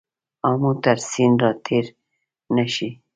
آمو تر سیند را تېر نه شې.